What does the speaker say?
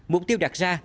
mục tiêu đặt ra